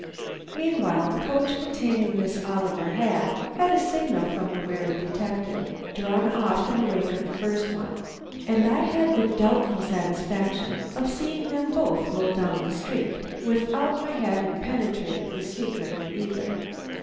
Meanwhile the coach containing Miss Oliver had, at a signal from the wary detective, drawn off in the wake of the first one, and I had the doubtful satisfaction of seeing them both roll down the street without my having penetrated the secret of either.